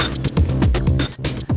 wah keren banget